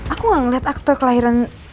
aku gak ngeliat akte kelahiran